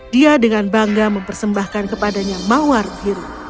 dia dengan bangga mempersembahkan kepadanya mawar biru